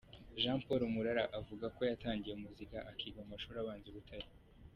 Jean Paul Murara avuga ko yatangiye muzika akiga mu mashuri abanza i Butare.